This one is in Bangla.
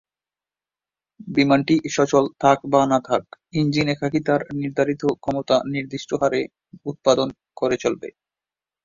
বিমানটি সচল থাক বা না থাক ইঞ্জিন একাকী তার নির্ধারিত ক্ষমতা নির্দিষ্ট হারে উৎপাদন করে চলবে।